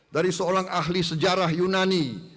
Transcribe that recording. dari seorang ahli sejarah yunani